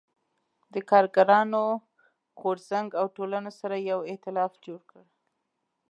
د کارګرانو غو رځنګ او ټولنو سره یو اېتلاف جوړ کړ.